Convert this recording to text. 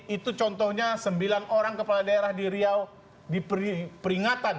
itu contohnya sembilan orang kepala daerah di riau diperingatan